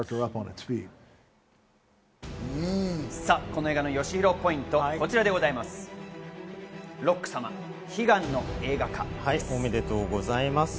この映画のよしひろポイント、おめでとうございます。